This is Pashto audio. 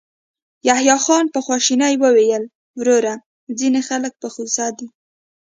يحيی خان په خواشينۍ وويل: وروره، ځينې خلک په غوسه دي.